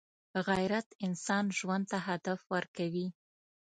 غیرت انسان ژوند ته هدف ورکوي